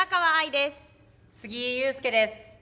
杉井勇介です。